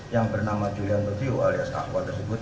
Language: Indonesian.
yang bernama julian sutio alias akwa tersebut